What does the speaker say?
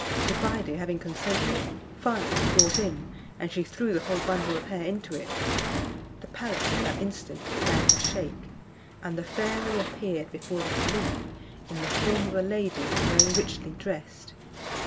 Zobeide having consented, fire was brought in, and she threw the whole bundle of hair into it. The palace at that instant began to shake, and the fairy appeared before the caliph in the form of a lady very richly dressed.